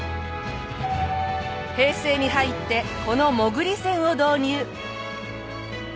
平成に入ってこの潜り船を導入。